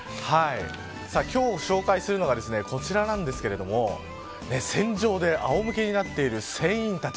今日紹介するのはこちらなんですけれども船上であおむけになっている船員たち。